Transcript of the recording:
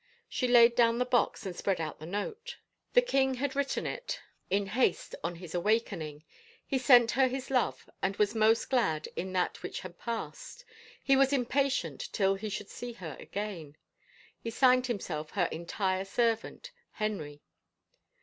She laid down the box aQd spread out the note. The king had written it in "5 THE FAVOR OF KINGS haste on his awakening; he sent her his love and was most glad in that which had passed; he was impatient till he should see her again. He signed himself her entire servant, Henry.